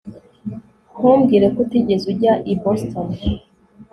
Ntumbwire ko utigeze ujya i Boston